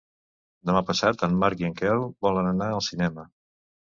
Demà passat en Marc i en Quel volen anar al cinema.